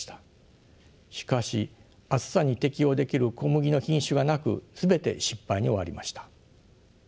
しかし暑さに適応できる小麦の品種がなく全て失敗に終わりました。